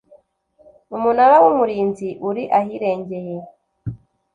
Umunara w Umurinzi uri ahirengeye